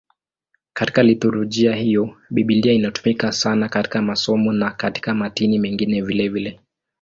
Katika liturujia hiyo Biblia inatumika sana katika masomo na katika matini mengine vilevile.